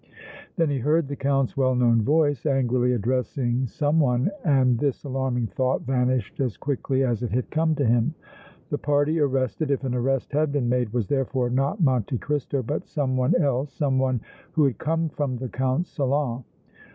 Then he heard the Count's well known voice angrily addressing some one and this alarming thought vanished as quickly as it had come to him. The party arrested, if an arrest had been made, was, therefore, not Monte Cristo but some one else, some one who had come from the Count's salon.